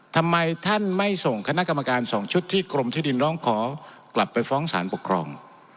ทำไมท่านไม่ส่งคณะกรรมการ๒ชุดที่กรมที่ดินร้องขอกลับไปฟ้องสารปกครอง